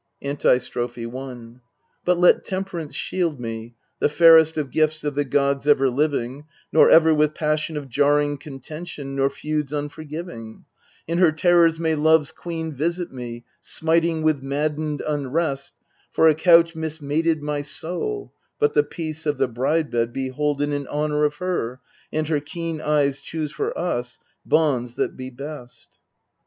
Antistrophe i But let Temperance shield ' me, the fairest of gifts of the gods ever living : Nor ever with passion of jarring contention, nor feuds unforgiving, In her terrors may Love's Queen visit me, smiting with maddened unrest For a couch mismated my soul ; but the peace of the bride bed be holden In honour of her, and her keen eyes choose for us bonds that be best.